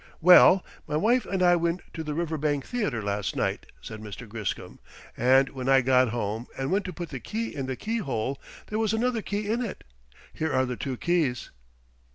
"Well, my wife and I went to the Riverbank Theater last night," said Mr. Griscom, "and when I got home and went to put the key in the keyhole, there was another key in it. Here are the two keys."